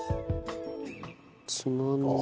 つまんで。